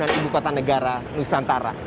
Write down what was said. kami berada di bukatan negara nusantara